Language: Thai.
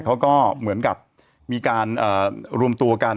เขาก็เหมือนกับมีการรวมตัวกัน